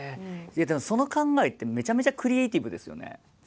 その考えってめちゃめちゃクリエイティブですよね。